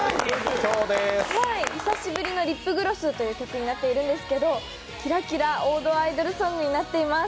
「久しぶりのリップグロス」という曲になっているんですけどキラキラ、王道アイドルソングになっています。